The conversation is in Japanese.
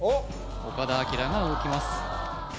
岡田哲明が動きます